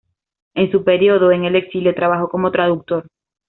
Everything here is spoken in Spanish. En su periodo en el exilio trabajó como traductor.